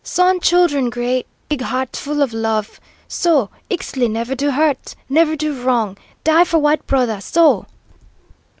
Sun Children great big heart full of love. So Ixtli never do hurt, never do wrong; die for white brother so!"